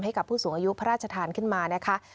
ให้กับผู้สูงอายุพระราชทานขึ้นมานะคะ